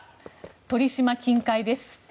鳥島近海です。